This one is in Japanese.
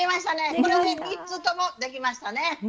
これで３つともできましたね。